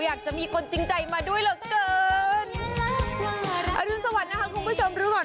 อยากจะมีคนจริงใจมาด้วยเหลือเกินอรุณสวัสดินะคะคุณผู้ชมรู้ก่อน